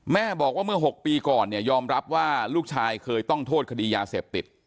แม่บอกว่าเมื่อ๖ปีก่อนเนี่ยยอมรับว่าลูกชายเคยต้องโทษคดียาเสพติด